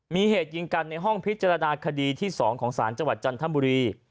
มีเหตุยิงกันในห้องพิจารณาคดีที่๒ของศาลจังหวัดจันทบุรี